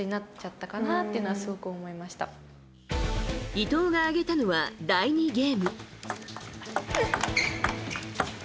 伊藤が挙げたのは第２ゲーム。